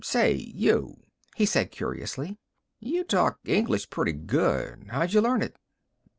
"Say, you," he said curiously, "you talk English pretty good. How'd you learn it?"